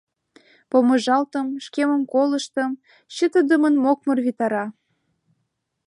Помыжалтым — шкемым колыштым — чытыдымын мокмыр витара.